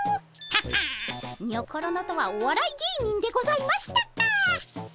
ははあにょころのとはおわらい芸人でございましたか。